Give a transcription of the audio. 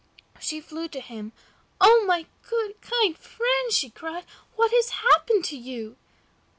She flew to him. "Oh, my good, kind friend," she cried, "what has happened to you?"